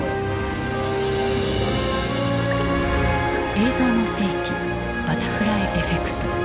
「映像の世紀バタフライエフェクト」。